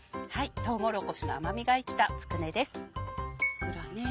とうもろこしの甘みが生きたつくねです。